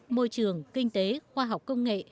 môi trường kinh tế khoa học công nghệ